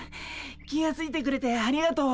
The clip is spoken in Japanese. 気が付いてくれてありがとう。